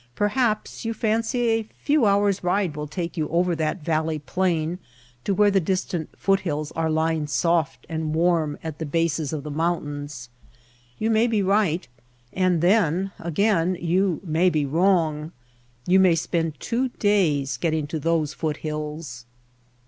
Perhaps you fancy a few hours^ ride will take you over that valley plain to where the distant foot hills are lying soft and warm at the bases of the moun tains. You may be right and then again you may be wrong. You may spend two days get ting to those foot hills.